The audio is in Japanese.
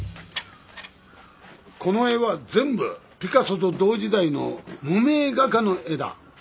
この絵は全部ピカソと同時代の無名画家の絵だ。